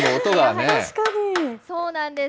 そうなんです。